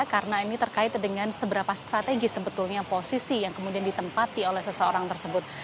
karena ini terkait dengan seberapa strategis sebetulnya posisi yang kemudian ditempati oleh seseorang tersebut